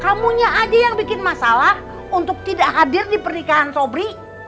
kamunya aja yang bikin masalah untuk tidak hadir di pernikahan robri